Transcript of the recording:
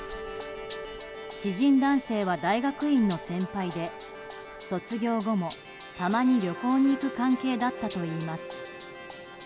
知人男性は、大学院の先輩で卒業後もたまに旅行に行く関係だったといいます。